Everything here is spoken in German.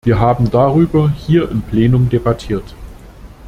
Wir haben darüber hier im Plenum debattiert.